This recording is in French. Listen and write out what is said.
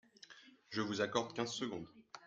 Je vous accorde quinze secondes.